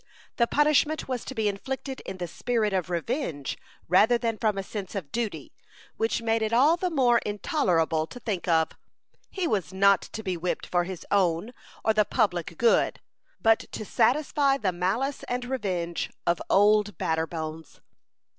The punishment was to be inflicted in the spirit of revenge rather than from a sense of duty, which made it all the more intolerable to think of. He was not to be whipped for his own or the public good, but to satisfy the malice and revenge of "Old Batterbones."